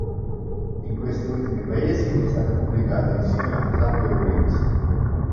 In questi ultimi paesi è stata pubblicata insieme a "Flap Your Wings".